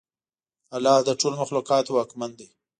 الله د ټولو مخلوقاتو واکمن دی.